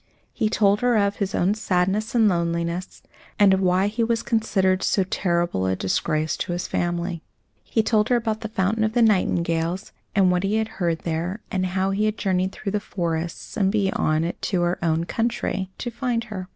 He told her of his own sadness and loneliness, and of why he was considered so terrible a disgrace to his family. He told her about the fountain of the nightingales and what he had heard there and how he had journeyed through the forests, and beyond it into her own country, to find her.